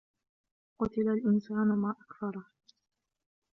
قُتِلَ الْإِنْسَانُ مَا أَكْفَرَهُ